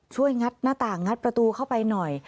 งัดหน้าต่างงัดประตูเข้าไปหน่อย